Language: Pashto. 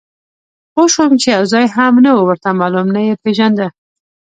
پوه شوم چې یو ځای هم نه و ورته معلوم، نه یې پېژانده.